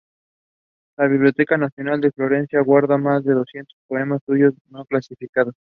La Biblioteca Nacional de Florencia guarda más de doscientos poemas suyos no clasificados.